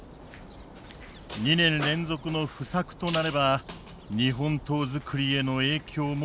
２年連続の不作となれば日本刀づくりへの影響も甚大だ。